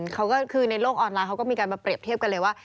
เขาก็คือในโลกออนไลน์เขาก็มีการมาเปรียบเทียบกันเลยว่า